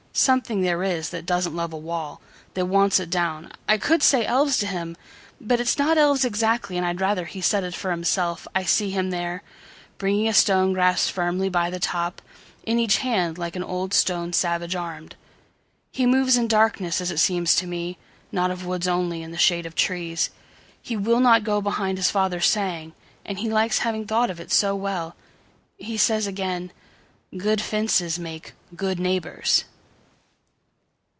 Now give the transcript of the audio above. Something there is that doesn't love a wall, That wants it down." I could say "Elves" to him, But it's not elves exactly, and I'd ratherHe said it for himself. I see him thereBringing a stone grasped firmly by the topIn each hand, like an old stone savage armed. He moves in darkness as it seems to me, Not of woods only and the shade of trees. He will not go behind his father's saying, And he likes having thought of it so wellHe says again, "Good fences make good neighbours."